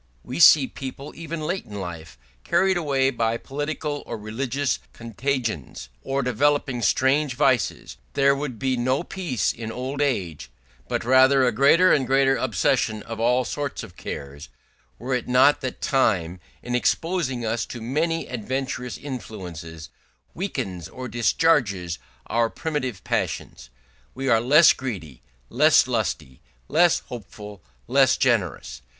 We see people even late in life carried away by political or religious contagions or developing strange vices; there would be no peace in old age, but rather a greater and greater obsession by all sorts of cares, were it not that time, in exposing us to many adventitious influences, weakens or discharges our primitive passions; we are less greedy, less lusty, less hopeful, less generous.